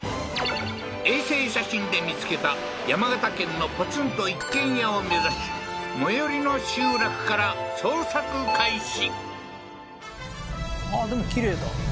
衛星写真で見つけた山形県のポツンと一軒家を目指し最寄りの集落から捜索開始